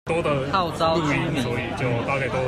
號召居民